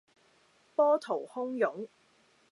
波濤洶湧